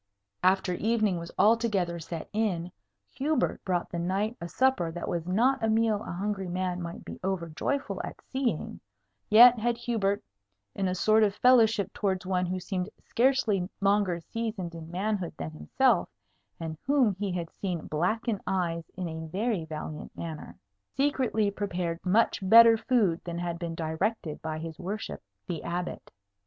After evening was altogether set in, Hubert brought the knight a supper that was not a meal a hungry man might be over joyful at seeing; yet had Hubert (in a sort of fellowship towards one who seemed scarcely longer seasoned in manhood than himself, and whom he had seen blacken eyes in a very valiant manner) secretly prepared much better food than had been directed by his worship the Abbot.